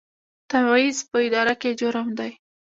تبعیض په اداره کې جرم دی